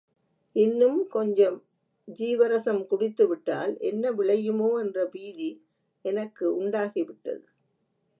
இன்னும் கொஞ்சம் ஜீவரசம் குடித்துவிட்டால் என்ன விளையுமோவென்ற பீதி எனக்கு உண்டாகி விட்டது.